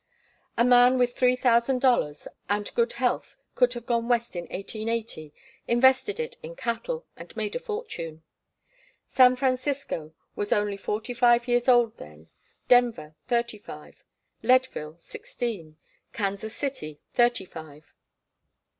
A man with $3,000 and good health could have gone West in 1880, invested it in cattle, and made a fortune. San Francisco was only forty five years old then, Denver thirty five, Leadville sixteen, Kansas City thirty five.